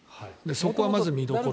そこはまず見どころ。